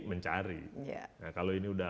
mencari kalau ini udah